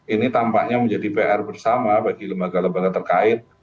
ini tampaknya menjadi pr bersama bagi lembaga lembaga terkait